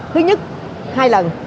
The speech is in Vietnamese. thứ nhất hai lần